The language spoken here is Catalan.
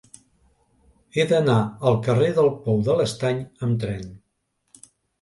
He d'anar al carrer del Pou de l'Estany amb tren.